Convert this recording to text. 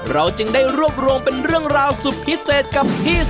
เราจึงได้รวบรวมเป็นเรื่องราวสุดพิเศษกับพี่